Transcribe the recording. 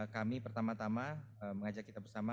kami pertama tama mengajak kita bersama